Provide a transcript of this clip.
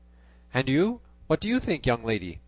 "And you, what do you think, young lady?"